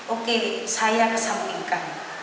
oke saya kesampingkan